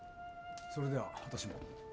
それでは私も。